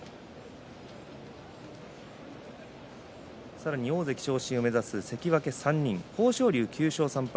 さらに大関昇進を目指す関脇３人豊昇龍は９勝３敗。